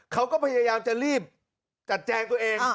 เขาก็พยายามจะรีบจัดแจงตัวเอง